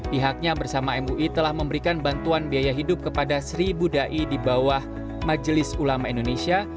pihaknya bersama mui telah memberikan bantuan biaya hidup kepada seribu ⁇ dai ⁇ di bawah majelis ulama indonesia